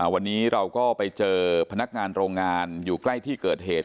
วันนี้เราก็ไปเจอพนักงานโรงงานอยู่ใกล้ที่เกิดเหตุ